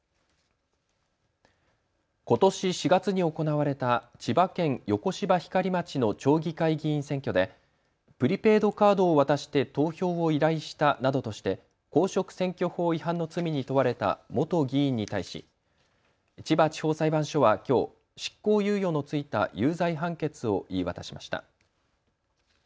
ことし４月に行われた千葉県横芝光町の町議会議員選挙でプリペイドカードを渡して投票を依頼したなどとして公職選挙法違反の罪に問われた元議員に対し千葉地方裁判所はきょう執行猶予の付いた有罪判決を言い渡しました。